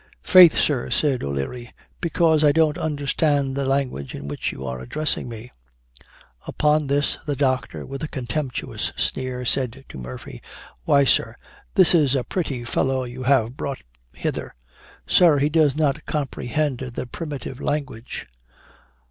'Faith, sir,' said O'Leary, 'because I don't understand the language in which you are addressing me.' Upon this, the doctor, with a contemptuous sneer, said to Murphy, 'Why, sir, this is a pretty fellow you have brought hither. Sir, he does not comprehend the primitive language.'